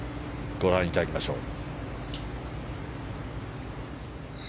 ご覧いただきましょう。